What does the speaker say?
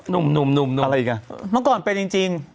นั่มอนี่ก่อนเป็นจริง